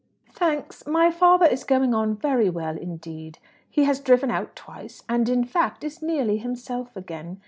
"Thanks; my father is going on very well indeed. He has driven out twice, and, in fact, is nearly himself again.